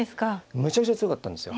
むちゃくちゃ強かったんですよ。